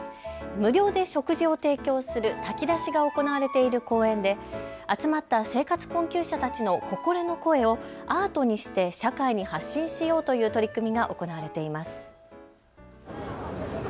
無料で食事を提供する炊き出しが行われている公園で集まった生活困窮者たちの心の声をアートにして社会に発信しようという取り組みが行われています。